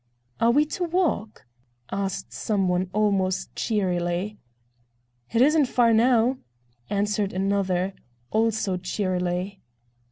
"Are we to walk?" asked some one almost cheerily. "It isn't far now," answered another, also cheerily.